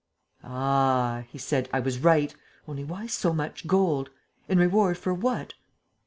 "Ah," he said, "I was right! Only, why so much gold? In reward for what?"